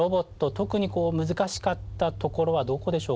特に難しかったところはどこでしょうか？